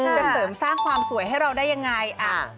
จะเกิดสร้างความสวยให้เราได้อย่างไร